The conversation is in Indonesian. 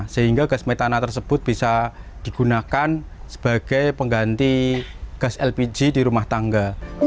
sehingga gas metana tersebut bisa digunakan sebagai pengganti gas lpg di rumah tangga